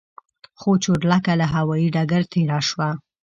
خو چورلکه له هوايي ډګر تېره شوه.